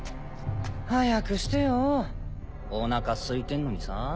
早くしてよおなか空いてんのにさ。